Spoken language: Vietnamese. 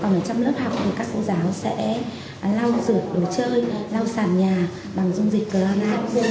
còn trong lớp học thì các cô giáo sẽ lau rượt đồ chơi lau sàn nhà bằng dung dịch cloramin b hai mươi năm